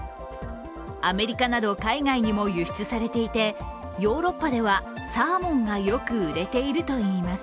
アメリカなど海外にも輸出されていて、ヨーロッパでは、サーモンがよく売れているといいます。